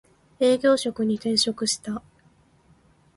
営業職に転職した